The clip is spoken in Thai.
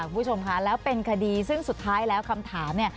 คุณผู้ชมค่ะแล้วเป็นคดีซึ่งสุดท้ายแล้วคำถามเนี่ย